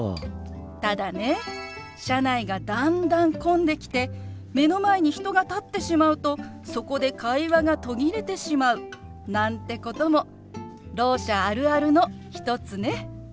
ただね車内がだんだん混んできて目の前に人が立ってしまうとそこで会話が途切れてしまうなんてこともろう者あるあるの一つね。